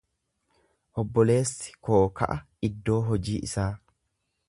Obboleessi koo ka'a iddoo hojii isaa.